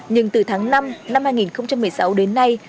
nhưng từ tháng năm năm hai nghìn một mươi sáu đến nay